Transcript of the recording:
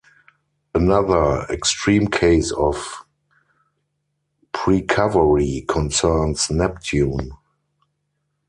Another extreme case of precovery concerns Neptune.